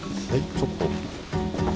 ちょっと。